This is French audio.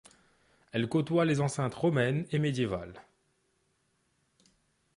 Elles côtoient les enceintes romaines et médiévales.